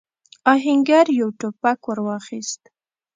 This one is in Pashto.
آهنګر يو ټوپک ور واخيست.